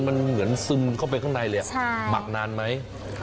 มันเหมือนซึมเข้าไปข้างในเลยหมักนานไหม